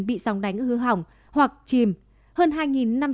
bị sóng đánh hư hỏng hoặc chìm